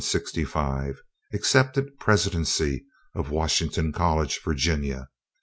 Accepted presidency of Washington College, Virginia.